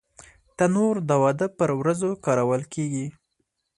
تنور د واده پر ورځو کارول کېږي